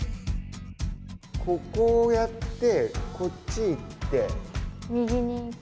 ここをやって、こっち行って。